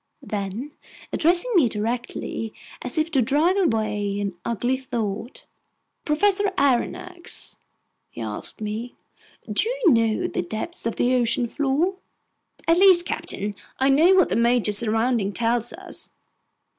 Then, addressing me directly, as if to drive away an ugly thought: "Professor Aronnax," he asked me, "do you know the depth of the ocean floor?" "At least, captain, I know what the major soundings tell us."